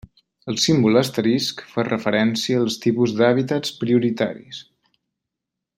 El símbol * fa referència als tipus d'hàbitats prioritaris.